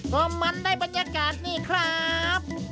ก็มันได้บรรยากาศนี่ครับ